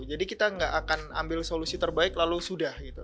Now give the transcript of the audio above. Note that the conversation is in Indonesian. jadi kita gak akan ambil solusi terbaik lalu sudah gitu